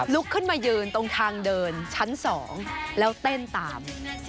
ลุกขึ้นมายืนตรงทางเดินชั้น๒แล้วเต้นตาม